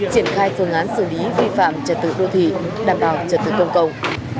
triển khai phương án xử lý vi phạm trật tự đô thị đảm bảo trật tự công cộng